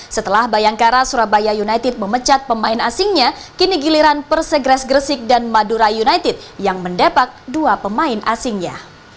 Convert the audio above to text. setelah bayangkara surabaya united memecat pemain asingnya kini giliran persegres gresik dan madura united yang mendepak dua pemain asingnya